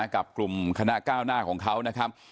กับกลุ่มคณะก้าวหน้าของเขานะครับ